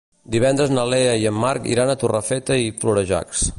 Divendres na Lea i en Marc iran a Torrefeta i Florejacs.